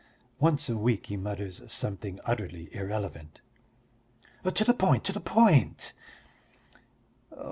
Once a week he mutters something utterly irrelevant." "To the point, to the point!"